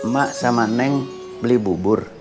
mak sama neng beli bubur